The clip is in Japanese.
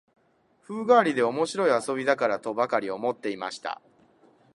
風変わりで面白い遊びだから、とばかり思っていました